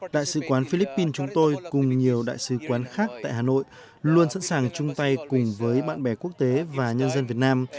đại sứ quán philippines chúng tôi cùng nhiều đại sứ quán khác tại hà nội luôn sẵn sàng chung tay cùng với bạn bè quốc tế và nhân dân việt nam